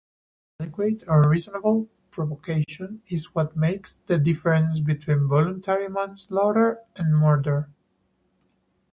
"Adequate" or "reasonable" provocation is what makes the difference between voluntary manslaughter and murder.